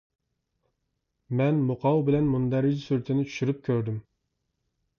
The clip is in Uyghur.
مەن مۇقاۋا بىلەن مۇندەرىجە سۈرىتىنى چۈشۈرۈپ كۆردۈم.